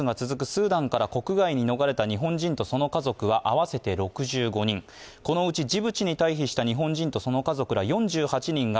スーダンから国外に逃れた日本人とその家族は合わせて６５人、そのうちジブチに退避した日本人とその家族ら４８人が